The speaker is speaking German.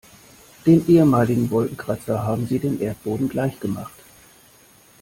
Den ehemaligen Wolkenkratzer haben sie dem Erdboden gleichgemacht.